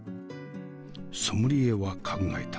ソムリエは考えた。